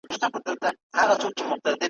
جهاني خپل جنون له ښاره بې نصیبه کړلم `